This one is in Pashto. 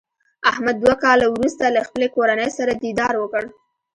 احمد دوه کاله ورسته له خپلې کورنۍ سره دیدار وکړ.